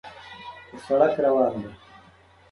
پر سړک روان دی.